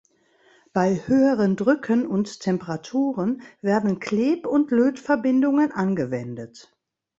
Bei höheren Drücken und Temperaturen werden Kleb- und Lötverbindungen angewendet.